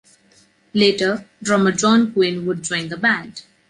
Later, drummer John Quinn would join the band.